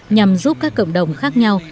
nhằm giúp các cộng đồng khác nhau